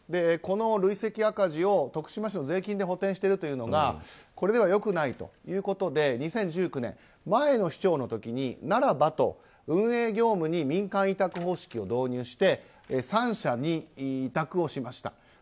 この累積赤字を徳島市の税金で補填しているというのがこれでは良くないということで２０１９年前の市長の時に、ならばと運営業務に民間委託方式を導入して３社に委託をしました。